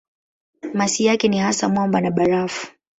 Masi yake ni hasa mwamba na barafu.